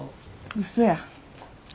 うそや。